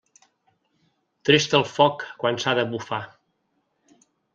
Trist el foc quan s'ha de bufar.